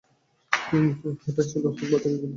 কিন্তু এটা ছিল হক ও বাতিলের যুদ্ধ।